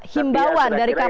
himbauan dari kapol